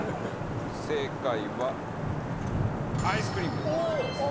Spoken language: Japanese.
正解はアイスクリームでございます。